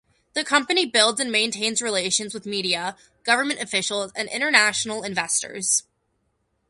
The company builds and maintains relations with media, government officials and international investors.